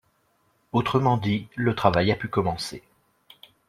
Autrement dit, le travail a pu commencer.